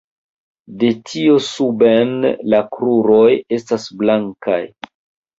De tio suben la kruroj estas blankaj.